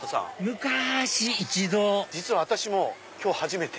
昔一度実は私も今日初めて。